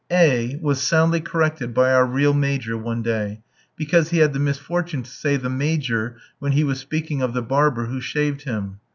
A f was soundly corrected by our real Major one day, because he had the misfortune to say the "major" when he was speaking of the barber who shaved him.